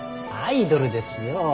アイドルですよ